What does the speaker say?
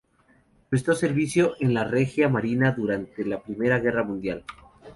Prestó servicio en la Regia Marina durante la Primera Guerra Mundial.